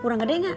kurang gede gak